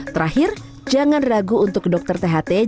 terakhir jangan ragu untuk dokter tht jika anda merasa keras